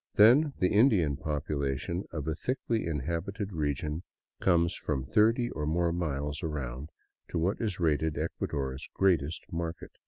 Then the Indian population of a thickly inhabited region comes from thirty or more miles around to what is rated Ecuador's greatest market.